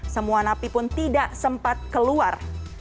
semua napi pun tidak sempat keluar